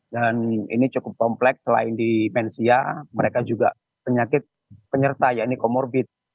dan ini cukup kompleks selain demensia mereka juga penyakit penyerta ya ini komorbit